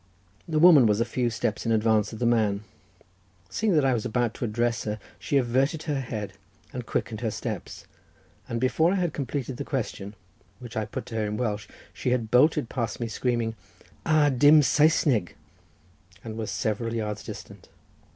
The woman was a few steps in advance of the man; seeing that I was about to address her, she averted her head and quickened her steps, and before I had completed the question, which I put to her in Welsh, she had bolted past me screaming, "Ah Dim Saesneg," and was several yards distant.